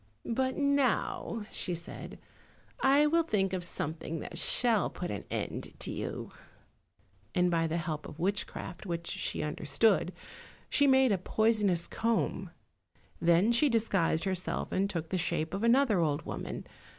"But now," she said, "I will think of something that shall put an end to you," and by the help of witchcraft, which she understood, she made a poisonous comb. Then she disguised herself and took the shape of another old woman.